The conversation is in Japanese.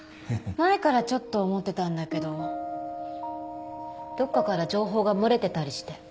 前からちょっと思ってたんだけどどっかから情報が漏れてたりして。